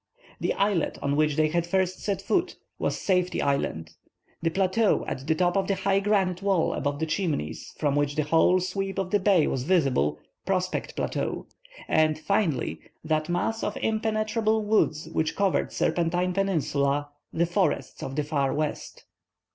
The islet on which they first set foot, was Safety Island; the plateau at the top of the high granite wall above the Chimneys, from which the whole sweep of the bay was visible, Prospect Plateau; and, finally, that mass of impenetrable woods which covered Serpentine Peninsula, the Forests of the Far West.